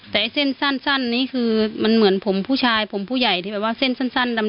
แต่ไอ้เส้นสั้นนี้คือมันเหมือนผมผู้ชายผมผู้ใหญ่ที่แบบว่าเส้นสั้นดำ